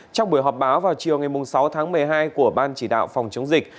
trong buổi họp báo vào chiều ngày sáu tháng một mươi hai của ban chỉ đạo phòng chống dịch